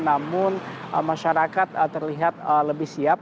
namun masyarakat terlihat lebih siap